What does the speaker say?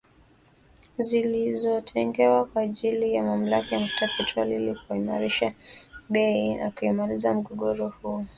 zilizotengwa kwa ajili ya mamlaka ya mafuta ya petroli ili kuimarisha bei na kumaliza mgogoro huo